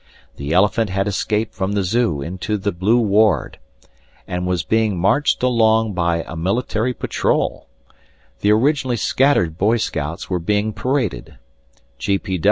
The elephant had escaped from the zoo into the Blue Ward, and was being marched along by a military patrol. The originally scattered boy scouts were being paraded.